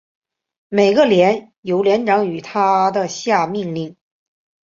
每个连由连长与他的下命令。